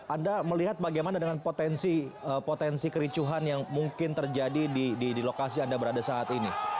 anda melihat bagaimana dengan potensi kericuhan yang mungkin terjadi di lokasi anda berada saat ini